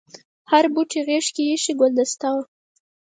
د هر بوټي غېږ کې ایښي ګلدسته وه.